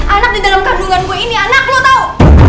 anak di dalam kandungan gue ini anak lo tau